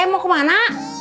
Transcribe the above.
eh mau ke mana